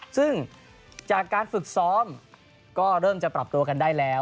ซึ่งจากการฝึกซ้อมก็เริ่มจะปรับตัวกันได้แล้ว